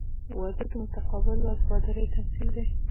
• واده د متقابل وفادارۍ تمثیل دی.